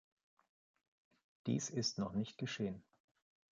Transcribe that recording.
Dies ist noch nicht geschehen.